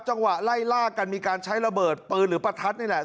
จังหวะไล่ล่ากันมีการใช้ระเบิดปืนหรือประทัดนี่แหละ